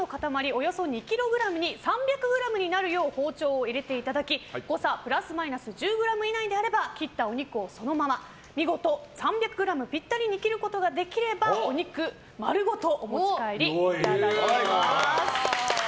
およそ２ｋｇに３００ｇになるように包丁を入れていただき誤差プラスマイナス１０ｇ以内であれば切ったお肉をそのまま見事、３００ｇピッタリに切ることができればお肉丸ごとお持ち帰りいただけます。